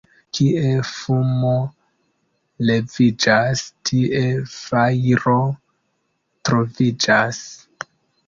Kie fumo leviĝas, tie fajro troviĝas.